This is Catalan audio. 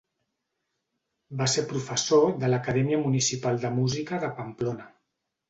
Va ser professor de l'Acadèmia Municipal de Música de Pamplona.